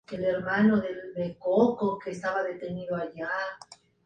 Además ya durante la explotación y con frecuencia, aparecen humedales de gran valor.